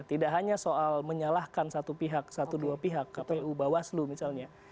tidak hanya soal menyalahkan satu pihak satu dua pihak kpu bawaslu misalnya